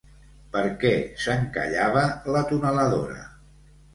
Per què s'encallava la tuneladora?